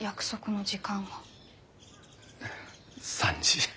３時。